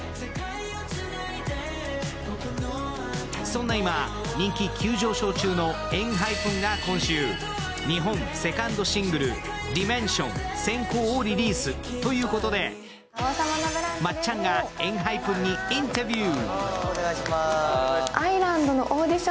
そんな今、人気急上昇中のＥＮＨＹＰＥＮが日本セカンドシングル、「ＤＩＭＥＮＳＩＯＮ：閃光」をリリース、ということで、まっちゃんがＥＮＨＹＰＥＮにインタビュー。